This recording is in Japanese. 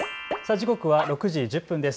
時刻は６時１０分です。